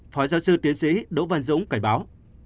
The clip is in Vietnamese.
phó giáo sư tiến sĩ đỗ văn dũng cảnh báo